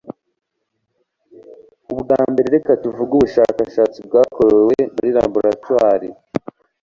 ubwa mbere, reka tuvuge kubushakashatsi bwakorewe muri laboratoire